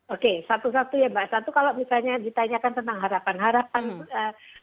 oke satu satu ya mbak satu kalau misalnya ditanyakan tentang harapan harapan